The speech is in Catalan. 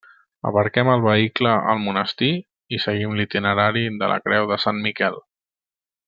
Aparquem el vehicle al monestir i seguim l'itinerari de la Creu de Sant Miquel.